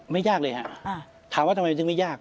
ไม่ยากเลยครับถามว่าทำไมไม่ยาก